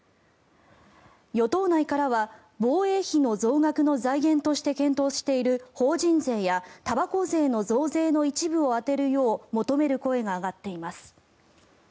与党内からは防衛費の増額の財源として検討している法人税やたばこ税の増税の一部を充てるよう求める声が上がっています。